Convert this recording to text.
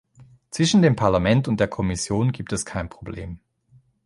Zwischen dem Parlament und der Kommission gibt es kein Problem.